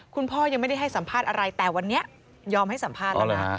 คุณพ่อยังไม่ได้ให้สัมภาษณ์อะไรแต่วันนี้ยอมให้สัมภาษณ์แล้วนะ